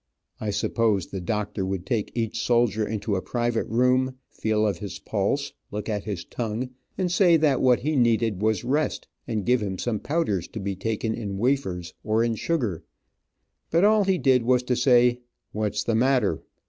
I supposed the doctor would take each soldier into a private room, feel of his pulse, look at his tongue, and say that what he needed was rest, and give him some powders to be taken in wafers, or in sugar. But all he did was to say "What's the matter?"